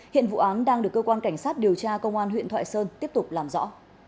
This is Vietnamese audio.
hiện vụ án đang được cơ quan cảnh sát điều tra công an huyện thoại sơn tiếp tục làm rõ